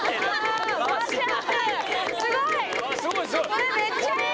これめっちゃいい！